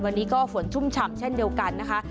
วันนี้ก็ฝนชุ่มฉ่ำเช่นเดียวกันนะคะ